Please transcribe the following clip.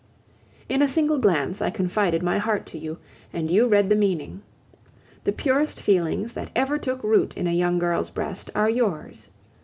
In a single glance I confided my heart to you, and you read the meaning. The purest feelings that ever took root in a young girl's breast are yours.